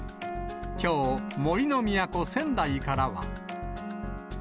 きょう、杜の都、仙台からは。